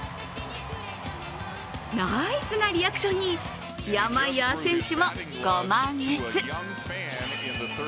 ナイスなリアクションにキアマイヤー選手もご満悦。